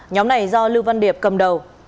nhóm này do lưu văn điệp cầm đầu